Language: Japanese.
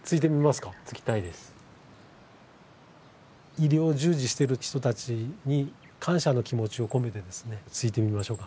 医療従事してる人たちに感謝の気持ちを込めてですねついてみましょうか。